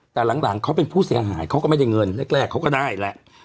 แต่หลังเขาเป็นผู้เสียหายเขาก็ไม่ได้เงินแรกเขาก็ได้แหละ